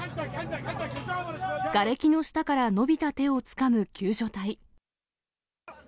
がれきの下から伸びた手をつかむ救助隊。